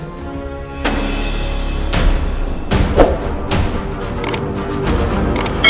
tapi saya sudah terpedaya